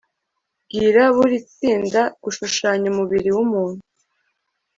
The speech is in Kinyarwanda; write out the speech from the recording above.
bwira buri tsinda gushushanya umubiri w'umuntu